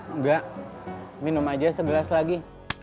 enggak minum aja segelas lagi